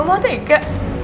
apaan oh tega